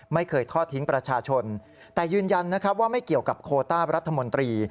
ไม่เคยทอดทิ้งประชาชนแต่ยืนยันนะครับว่าไม่เกี่ยวกับโคต้ารัฐมนตรี